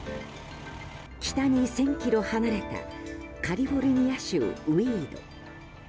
北に１０００ｋｍ離れたカリフォルニア州ウィード。